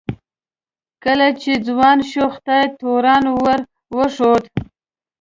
کله چې ځوان شو خدای تورات ور وښود.